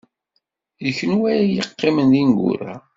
D kenwi ay yeqqimen d ineggura.